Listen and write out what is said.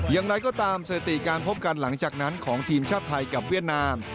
อย่างไรก็ตามสถิติการพบกันหลังจากนั้นของทีมชาติไทยกับเวียดนาม